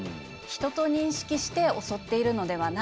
人と認識して襲っているのではないんですね。